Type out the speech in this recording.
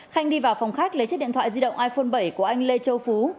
khanh đi vào phòng khách lấy chiếc điện thoại di động iphone bảy của anh lê châu phú